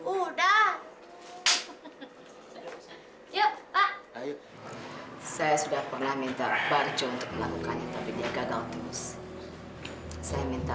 udah yuk ayo saya sudah pernah minta rakbarjo untuk melakukannya tapi dia gagal terus saya minta